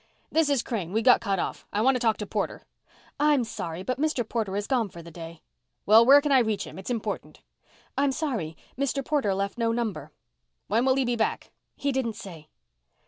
"This is Crane. We got cut off. I want to talk to Porter." "I'm sorry but Mr. Porter has gone for the day." "Well, where can I reach him? It's important." "I'm sorry. Mr. Porter left no number." "When will he be back?" "He didn't say."